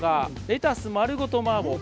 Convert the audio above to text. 「レタス丸ごとマーボー」。